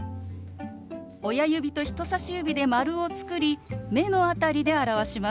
親指と人さし指で丸を作り目の辺りで表します。